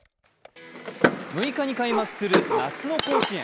６日に開幕する夏の甲子園。